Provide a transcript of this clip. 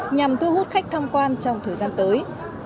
nhằm thu hút khách tham quan trong thời gian tới